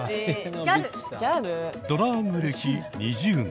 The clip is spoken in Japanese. ドラァグ歴２０年。